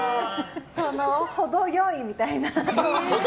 程良い、みたいな。